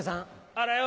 あらよ！